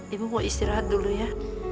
ibu mau istirahat dulu ya